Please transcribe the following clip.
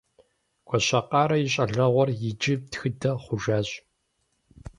Гуащэкъарэ и щӀалэгъуэр иджы тхыдэ хъужащ.